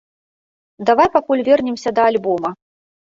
Давай пакуль вернемся да альбома.